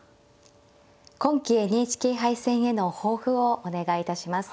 今期ＮＨＫ杯戦への抱負をお願いいたします。